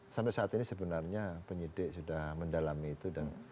sampai saat ini sebenarnya penyidik sudah mendalami itu